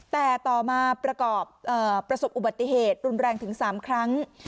แต่ต่อมาประกอบประสบอุบัติเหตุรุนแรงถึง๓ครั้ง